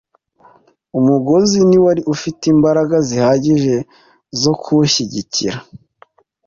Umugozi ntiwari ufite imbaraga zihagije zo kumushyigikira .